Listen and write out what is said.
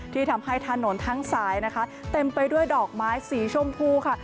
ที่ทำให้ถนนทั้งสายนะคะเต็มไปด้วยดอกไม้สีชมพูค่ะ